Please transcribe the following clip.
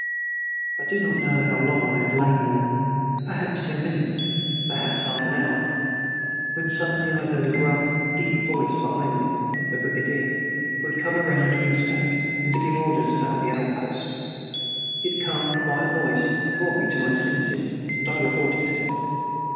I do not know how long I had lain there, perhaps ten minutes, perhaps half an hour, when suddenly I heard a gruff, deep voice behind me the brigadier, who had come around to inspect and to give orders about the outposts. His calm, quiet voice brought me to my senses and I reported to him.